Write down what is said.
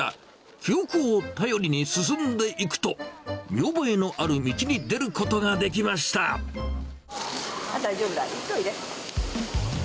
記憶を頼りに進んでいくと、見覚えのある道に出ることができ大丈夫だ、行っておいで。